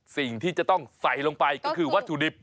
สิ่งที่จะต้องใส่ลงไปก็คือวัตถุดิบ